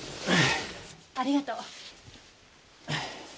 ありがとう。